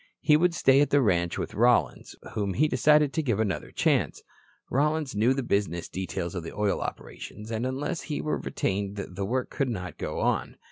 He would stay at the ranch with Rollins, whom he decided to give another chance. Rollins knew the business details of the oil operations and unless he were retained the work could not go on.